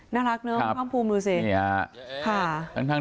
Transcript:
อ๋อน่ารักเนอะพร่อมภูมิดูสินี่ค่ะค่ะตั้ง